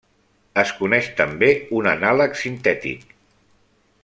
Es coneix també un anàleg sintètic.